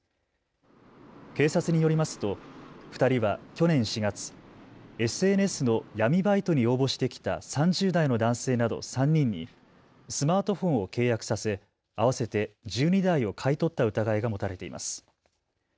警察によりますと２人は去年４月、ＳＮＳの闇バイトに応募してきた３０代の男性など３人にスマートフォンを契約させ合わせて１２台を買い取った疑いが持たれています。